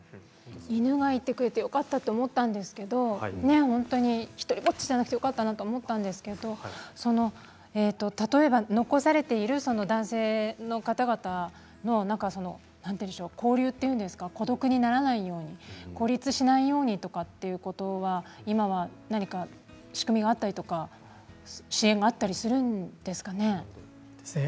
犬がいてくれてよかったと思ったんですけれど本当に独りぼっちじゃなくてよかったなと思ったんですけれど例えば、残されている男性の方々交流というんでしょうか孤立しないようにということは今は何か仕組みがあったりとか支援があったりするんですかね。